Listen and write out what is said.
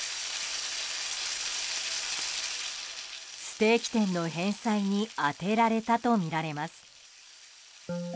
ステーキ店の返済に充てられたとみられます。